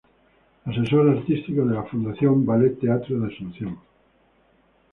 Asesor artístico de la Fundación Ballet Teatro de Asunción.